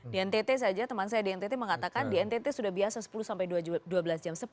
di ntt saja teman saya di ntt mengatakan di ntt sudah biasa sepuluh sampai dua belas jam